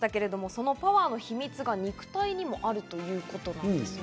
そのパワーの秘密が肉体にもあるということです。